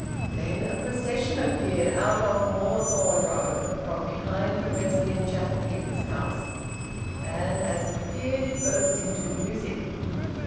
Then a procession appeared, out of Moorthorne Road, from behind the Wesleyan Chapel keeper's house. And as it appeared it burst into music.